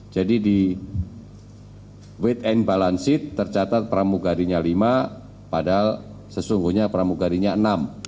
jadi di weight and balance sheet tercatat pramugarinya lima padahal sesungguhnya pramugarinya enam